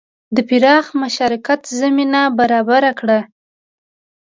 د پراخ مشارکت زمینه برابره کړه.